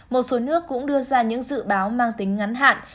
một số nước cũng đưa ra những dự báo mang tính ngắn hạn